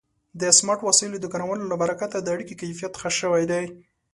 د سمارټ وسایلو د کارونې له برکته د اړیکو کیفیت ښه شوی دی.